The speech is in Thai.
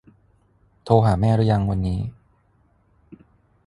โทรหาแม่หรือยังวันนี้